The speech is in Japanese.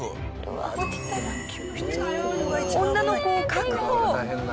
女の子を確保。